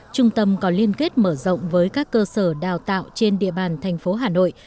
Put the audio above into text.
trung tâm có liên kết mở rộng với các cơ sở đào tạo trên địa bàn thành phố hà nội